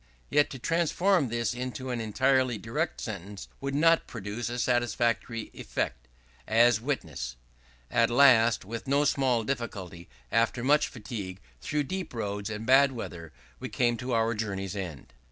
Yet to transform this into an entirely direct sentence would not produce a satisfactory effect; as witness: "At last, with no small difficulty, after much fatigue, through deep roads, and bad weather, we came to our journey's end."